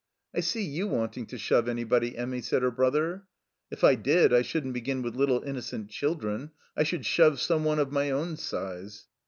"I see you wanting to shove anybody, Emmy/' said her brother. "If I did, I shouldn't begin with little innocent children. I shotild shove some one of my own size."